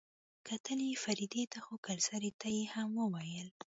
کتل يې فريدې ته خو کلسري ته يې هم وويل.